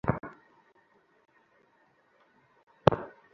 কৌতুহল হওয়া বন্ধ কর!